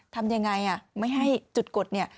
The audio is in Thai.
ทำยังไงไม่ให้จุดกดเนี่ย